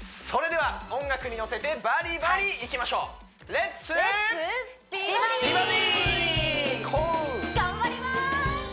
それでは音楽にのせてバディバディいきましょう頑張ります